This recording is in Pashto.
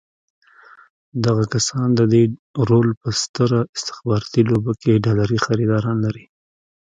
دغه کسان د دې رول په ستره استخباراتي لوبه کې ډالري خریداران لري.